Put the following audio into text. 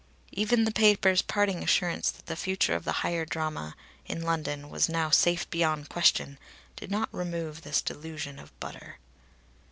Even the paper's parting assurance that the future of the higher drama in London was now safe beyond question did not remove this delusion of butter.